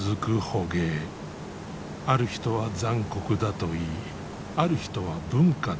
ある人は残酷だといいある人は文化だという。